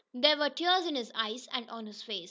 There were tears in his eyes, and on his face.